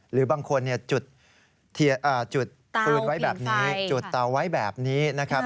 หรือบางคนจุดเตาผินไฟจุดเตาไว้แบบนี้นะครับ